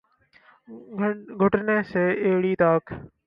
گھٹنے سے ایڑی تک